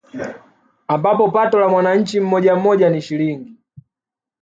ambapo pato la mwananchi mmoja mmoja ni Shilingi